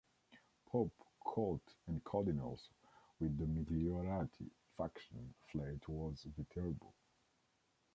Pope, court and cardinals, with the Migliorati faction, fled towards Viterbo.